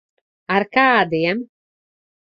Ar kādiem?